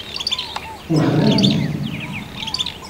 Temxellemt?